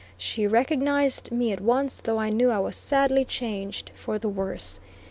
She recognized me at once, though I know I was sadly changed for the worse.